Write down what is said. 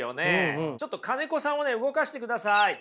ちょっと金子さんを動かしてください。